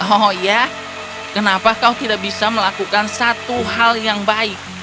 oh iya kenapa kau tidak bisa melakukan satu hal yang baik